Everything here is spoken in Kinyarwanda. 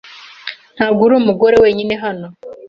Ntabwo uri umugore wenyine hano.